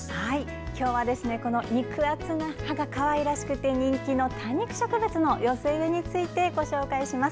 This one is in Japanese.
今日は肉厚な葉がかわいらしくて人気の多肉植物の寄せ植えについてご紹介します。